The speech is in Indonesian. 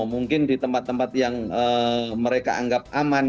mungkin di tempat tempat yang mereka anggap aman